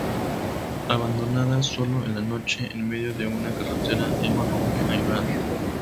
Abandonada sola en la noche en medio de una carretera, Emma rompe a llorar.